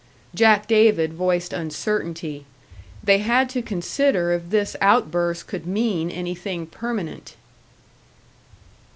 Jack David voiced uncertainty. They had to consider if this outburst could mean anything permanent.